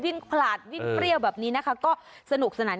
วิ่งผลาดวิ่งเปรี้ยวแบบนี้ก็สนุกสนาน